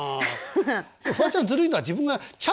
フワちゃんずるいのは自分が「ちゃん」